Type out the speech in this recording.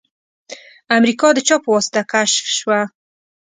امریکا د چا په واسطه کشف شوه؟